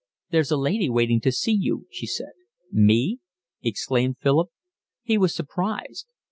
"There's a lady waiting to see you," she said. "Me?" exclaimed Philip. He was surprised.